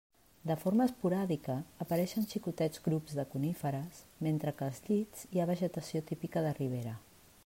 De forma esporàdica apareixen xicotets grups de coníferes, mentre que als llits hi ha vegetació típica de ribera.